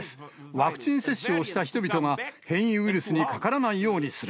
ワクチン接種をした人々が変異ウイルスにかからないようにする。